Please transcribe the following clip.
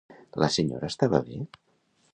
La senyora estava bé?